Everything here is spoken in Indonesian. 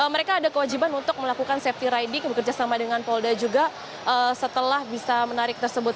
mereka ada kewajiban untuk melakukan safety riding bekerja sama dengan polda juga setelah bisa menarik tersebut